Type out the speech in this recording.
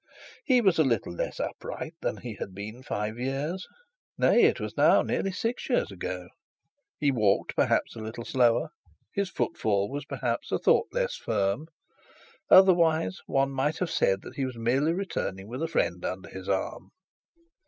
He was a little less upright than he had been five years, nay, it was nearly six years ago; he walked perhaps a little slower; his footfall was perhaps a thought less firm; otherwise one might have same that he was merely returning with a friend under his arm.